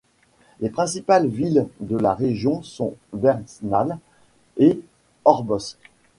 Les principales villes de la région sont Bairnsdale et Orbost.